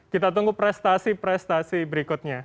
kita tunggu prestasi prestasi berikutnya